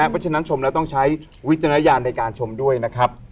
เพราะฉะนั้นชมแล้วต้องใช้วิจารณญาณในการชมด้วยนะครับ